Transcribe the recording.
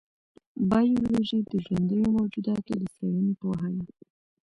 بایولوژي د ژوندیو موجوداتو د څېړنې پوهه ده.